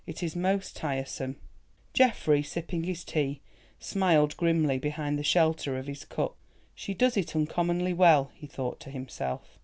It is most tiresome." Geoffrey, sipping his tea, smiled grimly behind the shelter of his cup. "She does it uncommonly well," he thought to himself.